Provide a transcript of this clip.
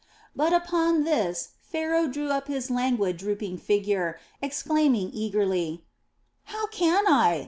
But upon this Pharaoh drew up his languid, drooping figure, exclaiming eagerly: "How can I?